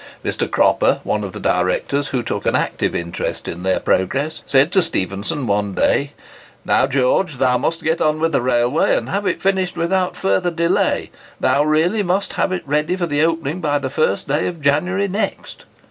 Mr. Cropper, one of the directors, who took an active interest in their progress, said to Stephenson one day, "Now, George, thou must get on with the railway, and have it finished without further delay; thou must really have it ready for opening by the first day of January next."